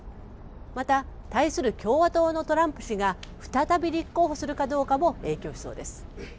また対する共和党のトランプ氏が再び立候補するかどうかも影響しそうです。